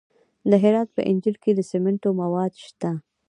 د هرات په انجیل کې د سمنټو مواد شته.